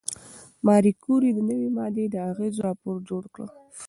ماري کوري د نوې ماده د اغېزو راپور جوړ کړ.